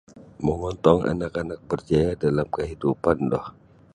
Mongontong anak-anak berjaya dalam kahidupan do.